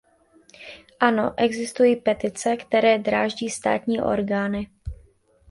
Ano, existují petice, které dráždí státní orgány.